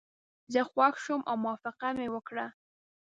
زه خوښ شوم او موافقه مې وکړه.